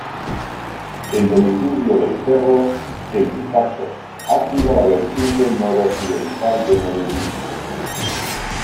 El domicilio del cerro El Picacho ha sido la vertiente noroccidental de Medellín.